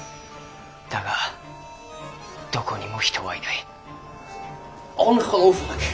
だがどこにも人はいない」。